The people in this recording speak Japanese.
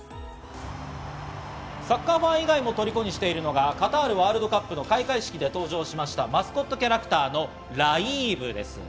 サッカーファン以外も虜にしているのがカタールワールドカップの開会式で登場したマスコットキャラクターのライーブです。